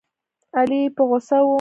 علي په غوسه و.